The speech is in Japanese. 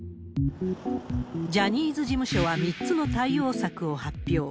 ジャニーズ事務所は３つの対応策を発表。